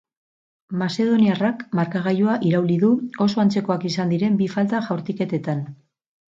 Mazedoniarrak markagailua irauli du oso antzekoak izan diren bi falta-jaurtiketetan.